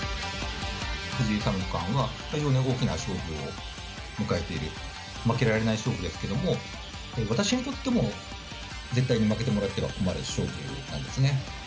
藤井三冠は、大きな勝負を迎えている、負けられない勝負ですけども、私にとっても絶対に負けてもらっては困る勝負なんですね。